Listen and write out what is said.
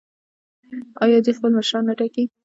آیا دوی خپل مشران نه ټاکي؟